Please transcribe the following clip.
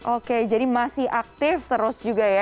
oke jadi masih aktif terus juga ya